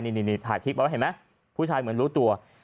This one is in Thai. เห็นไหมผู้ชายเหมือนรู้ตัว